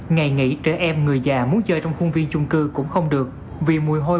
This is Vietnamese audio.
ngày nghỉ trẻ em người già muốn chơi trong khuôn viên chung cư cũng không được vì mùi hôi